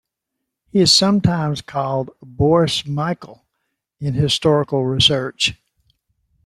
He is sometimes called Boris-Michael in historical research.